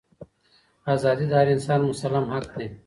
ازادي د هر انسان مسلم حق دی.